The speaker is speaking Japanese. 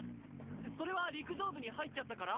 それは陸上部に入っちゃったから？